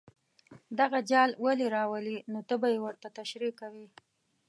دغه جال ولې راولي نو ته به یې ورته تشریح کوې.